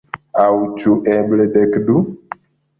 Aŭ ĉu eble dekdu?